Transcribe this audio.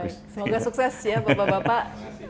semoga sukses ya bapak bapak